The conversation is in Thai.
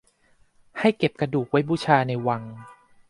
ให้เก็บกระดูกไว้บูชาในวัง